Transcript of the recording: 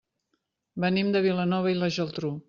Venim de Vilanova i la Geltrú.